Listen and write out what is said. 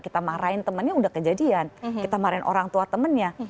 kita marahin temannya udah kejadian kita marahin orang tua temannya